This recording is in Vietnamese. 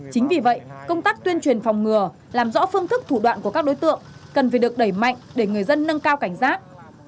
chính vì vậy công tác tuyên truyền phòng ngừa làm rõ phương thức thủ đoạn của các đối tượng cần phải được đẩy mạnh để người dân nâng cao cảnh giác